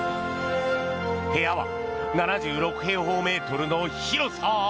部屋は７６平方メートルの広さ。